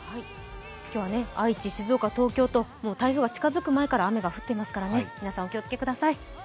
今日は愛知、静岡、東京と台風が近づく前から雨が降っていますから、皆さんお気をつけください。